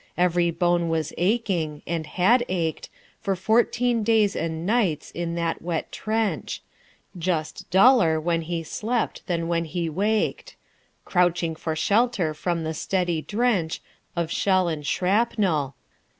Every bone was aching, and had ached For fourteen days and nights in that wet trench Just duller when he slept than when he waked Crouching for shelter from the steady drench Of shell and shrapnel....